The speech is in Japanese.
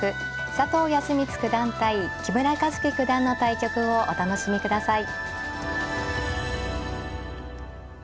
佐藤康光九段対木村一基九段の対局をお楽しみください。